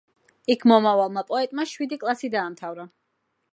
იქ მომავალმა პოეტმა შვიდი კლასი დაამთავრა.